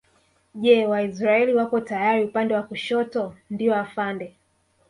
Je Waisraeli wapo tayari upande wa kushoto ndio afande